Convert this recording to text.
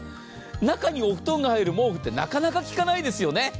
中にお布団が入る毛布ってなかなか聞かないですよね。